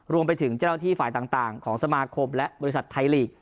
รวมไปถึงเจ้าหน้าที่ฝ่ายต่างของสมาคมและบริษัทไทยลีก